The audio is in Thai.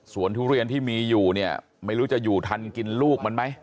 ส่วนทุเรียนที่มีอยู่เนี่ยไม่รู้จะอยู่ทันกินลูกมันไหม